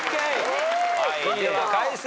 では解説。